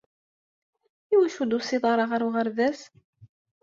Iwacu ur d-tusiḍ ara ɣer uɣerbaz?